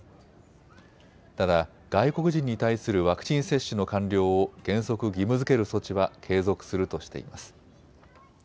ただ外国人に対するワクチン接種の完了を原則、義務づける措置は継続するとしています。